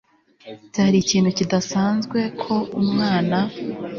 Byari ikintu kidasanzwe ko umwana